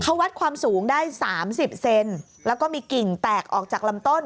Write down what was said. เขาวัดความสูงได้สามสิบเซนแล้วก็มีกิ่งแตกออกจากลำต้น